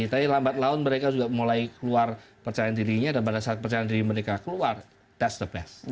tapi lambat laun mereka juga mulai keluar percaya dirinya dan pada saat percayaan diri mereka keluar thats ⁇ the best